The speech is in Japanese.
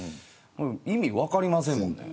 意味分かりませんもん。